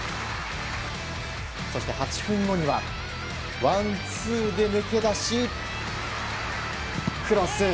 そして８分後にはワンツーで抜け出しクロス！